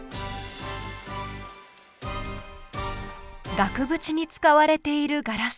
額縁に使われているガラス。